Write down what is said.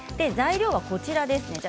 材料はこちらです。